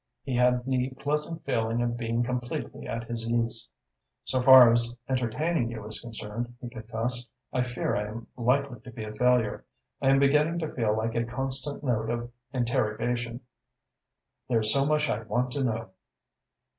He had the pleasant feeling of being completely at his ease. "So far as entertaining you is concerned," he confessed, "I fear I am likely to be a failure. I am beginning to feel like a constant note of interrogation. There is so much I want to know."